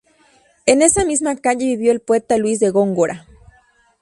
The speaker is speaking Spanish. En esa misma calle vivió el poeta Luis de Góngora.